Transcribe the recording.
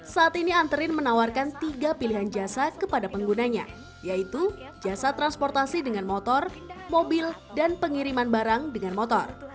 saat ini anterin menawarkan tiga pilihan jasa kepada penggunanya yaitu jasa transportasi dengan motor mobil dan pengiriman barang dengan motor